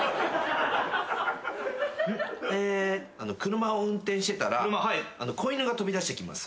車を運転してたら小犬が飛び出してきます。